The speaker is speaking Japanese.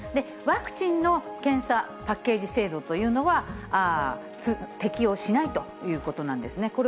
ワクチンの検査パッケージ制度というのは、適用しないということなんですね。